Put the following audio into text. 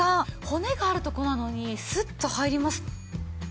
骨があるとこなのにスッと入ります。